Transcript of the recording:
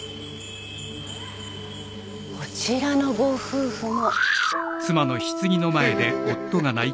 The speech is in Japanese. こちらのご夫婦も。